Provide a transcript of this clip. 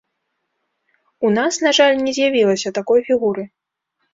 У нас, на жаль, не з'явілася такой фігуры.